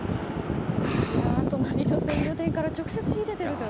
隣の鮮魚店から直接仕入れているという。